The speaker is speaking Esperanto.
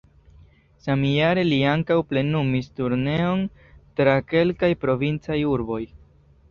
Samjare li ankaŭ plenumis turneon tra kelkaj provincaj urboj.